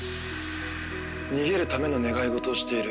逃げるための願い事をしている。